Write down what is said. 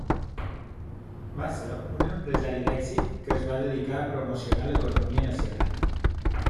Va ser un empresari d'èxit que es va dedicar a promocionar l'economia nacional.